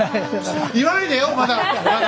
言わないでよまだ！